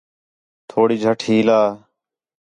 تھوڑی جھٹ ہِیلا